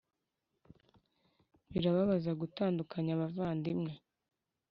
Birababaza gutandukanya abavandimwe